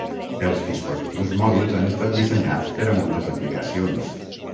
Els dispositius mòbils han estat dissenyats per a moltes aplicacions.